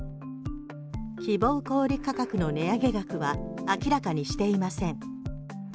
希望小売価格の値上げ額は明らかにしていません。